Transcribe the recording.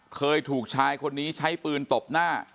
เคยถูกชายคนนี้ใช้ปืนตบหน้า